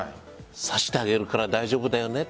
差してあげるから大丈夫だよね。